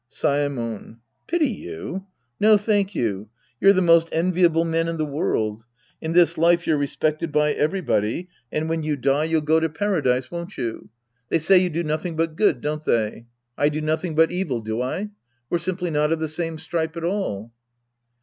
Saemon. Pity you ? No, thank you. You're the most enviable men in the world. In this life, you're respected by everybody, and when you die, you'll go 23 The Priest and His Disciples Act I to Paradise, won't you ? They say you do nothing but good, don't they ? I do nothing but evil, do I ? We're simply not of the same stripe at all.